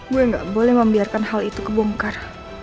gue gak boleh membiarkan hal itu kebongkar